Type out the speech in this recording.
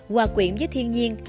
hòa quyện với thiên nhiên